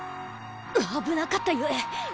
危なかったゆえ。